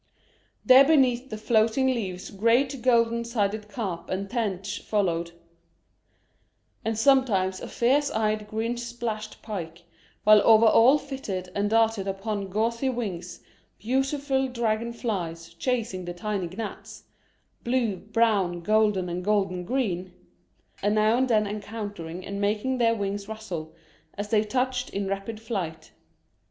There beneath the floating leaves great golden sided carp and tench floated, and sometimes a fierce eyed green splashed pike, while over all flitted and darted upon gauzy wings beautiful dragon flies, chasing the tiny gnats blue, brown, golden, and golden green and now and then encountering and making their wings rustle as they touched in rapid flight.